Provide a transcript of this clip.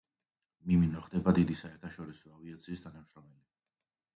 მიმინო ხდება დიდი საერთაშორისო ავიაციის თანამშრომელი.